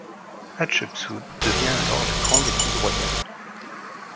Hatchepsout devient alors la Grande épouse royale.